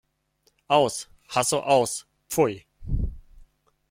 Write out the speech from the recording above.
Aus! Hasso Aus! Pfui!